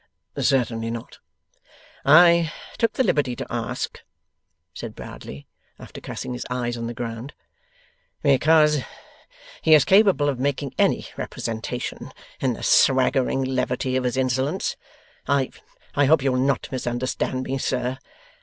'Certainly not.' 'I took the liberty to ask,' said Bradley, after casting his eyes on the ground, 'because he is capable of making any representation, in the swaggering levity of his insolence. I I hope you will not misunderstand me, sir.